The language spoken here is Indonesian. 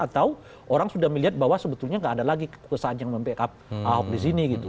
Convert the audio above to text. atau orang sudah melihat bahwa sebetulnya nggak ada lagi saat yang membackup ahok di sini gitu